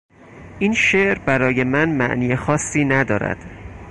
این شعر برای من معنی خاصی ندارد.